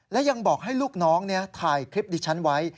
และยังบอกให้ลูกน้องถ่ายคลิปดิฉันไว้